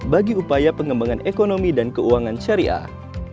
bagi upaya pengembangan ekonomi dan keuangan syariah